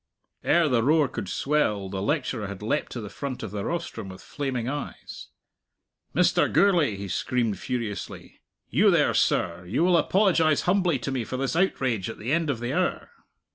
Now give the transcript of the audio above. Ere the roar could swell, the lecturer had leapt to the front of the rostrum with flaming eyes. "Mr. Gourlay," he screamed furiously "you there, sir; you will apologize humbly to me for this outrage at the end of the hour."